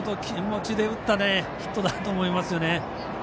気持ちで打ったヒットだなと思いますね。